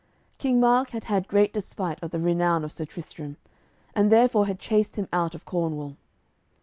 King Mark had had great despite of the renown of Sir Tristram, and therefore had chased him out of Cornwall.